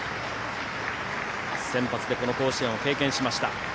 先発で甲子園を経験しました。